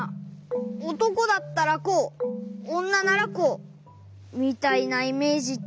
「おとこだったらこうおんなならこう」みたいなイメージっていうか。